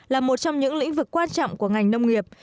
là một trong những lĩnh vực quan trọng của ngành nông nghiệp